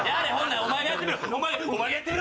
お前がやってみろ！